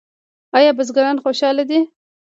آیا بزګران خوشحاله دي؟